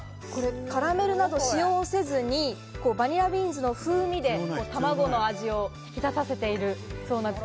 カラメルなどを使用せずにバニラビーンズの風味で卵の味を引き立たせているそうです。